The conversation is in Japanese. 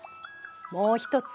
もう一つ